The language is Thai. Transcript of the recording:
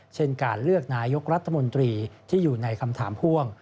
เช่นการเลือกนายกรัฐมนตรีที่อยู่ในคำถามพ่วง